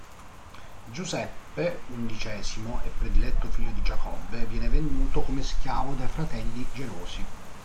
Giuseppe, undicesimo e prediletto figlio di Giacobbe, viene venduto come schiavo dai fratelli gelosi.